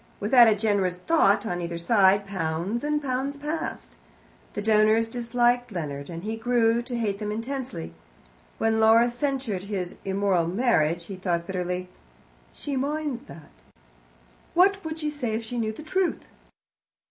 Without a generous thought on either side, pounds and pounds passed. The donors disliked Leonard, and he grew to hate them intensely. When Laura censured his immoral marriage, he thought bitterly, "She minds that! What would she say if she knew the truth?"